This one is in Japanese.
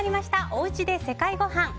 おうちで世界ごはん。